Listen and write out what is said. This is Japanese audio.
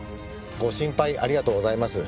ご心配ありがとうございます。